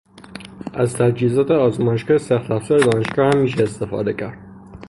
از تجهیزات آزمایشگاه سخت افزار دانشگاه هم میشه استفاده کرد